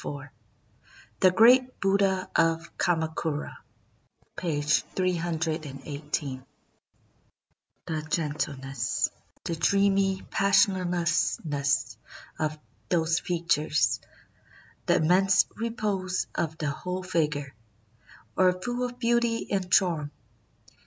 318 THE GREAT BUDDHA OF KAMAKURA THE GREAT BUDDHA OF KAMAKURA "The gentleness, the dreamy passionlessness of those features, — the immense repose of the whole figure, — are full of beauty and charm.